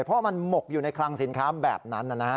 เพราะมันหมกอยู่ในคลังสินค้าแบบนั้นนะฮะ